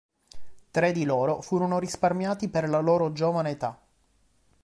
Tre di loro furono risparmiati per la loro giovane età.